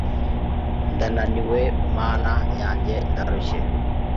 ndananiwe, mana yanjye, ndarushye